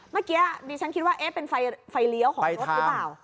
เมื่อกี้ดิฉันคิดว่าเอ๊ะเป็นไฟเลี้ยวของรถหรือเปล่า